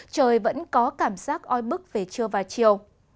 trời vẫn có cảm giác oi bức về trưa và chiều